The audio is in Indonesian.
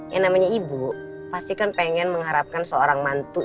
yang namanya ibu pasti kan pengen mengharapkan seorang mantu